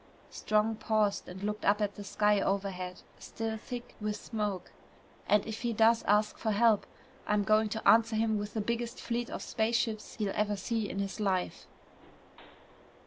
Strong paused and looked up at the sky overhead, still thick with smoke. "And if he does ask for help, I'm going to answer him with the biggest fleet of spaceships he'll ever see in his life!"